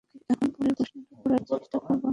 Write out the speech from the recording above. এখন, পরের প্রশ্নটা পড়ার চেষ্টা করব আমি।